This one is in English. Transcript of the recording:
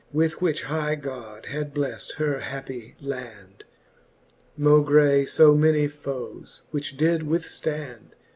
With which high God had bleft her happie land, Maugie fo many foes, which did withftand.